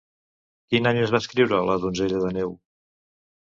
Quin any es va escriure La donzella de neu?